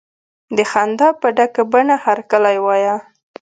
د خندا په ډکه بڼه هرکلی وایه.